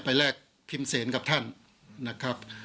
แลกพิมพ์เซนกับท่านนะครับ